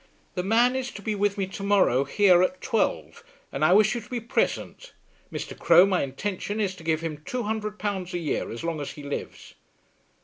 "The man is to be with me to morrow, here, at twelve, and I wish you to be present. Mr. Crowe, my intention is to give him two hundred pounds a year as long as he lives."